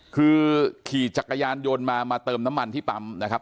คือขี่จักรยานยนต์มามาเติมน้ำมันที่ปั๊มนะครับ